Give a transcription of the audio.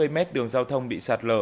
tám mươi m đường giao thông bị sạt lở